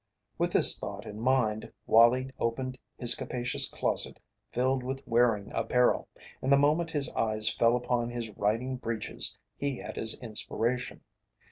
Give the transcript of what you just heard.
With this thought in mind Wallie opened his capacious closet filled with wearing apparel, and the moment his eyes fell upon his riding breeches he had his inspiration.